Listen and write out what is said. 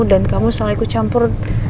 dan kamu selalu ikut campur